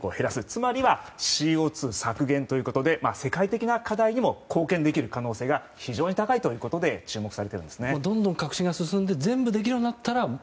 つまりはＣＯ２削減ということで世界的な課題にも貢献できる可能性が非常に高いということでどんどん革新が進んで全部できるようになったら。